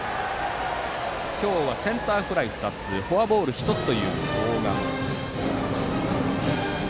今日はセンターフライ２つフォアボール１つという大賀。